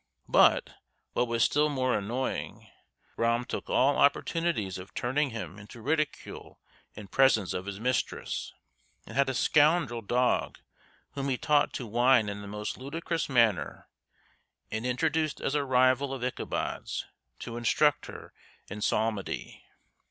But, what was still more annoying, Brom took all opportunities of turning him into ridicule in presence of his mistress, and had a scoundrel dog whom he taught to whine in the most ludicrous manner, and introduced as a rival of Ichabod's, to instruct her in psalmody.